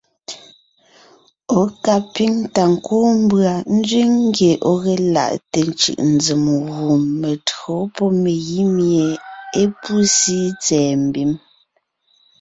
Ɔ̀ ka píŋ ta kúu mbʉ̀a nzẅíŋ ngye ɔ̀ ge laʼte cʉ̀ʼnzèm gù metÿǒ pɔ́ megǐ mie é pú síi tsɛ̀ɛ mbim.s.